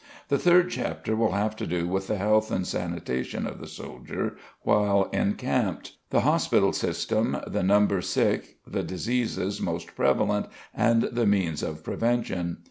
The third chapter will have to do with the health and sanitation of the soldier while encamped, the hospital system, the number sick, the diseases most prevalent and the means of prevention.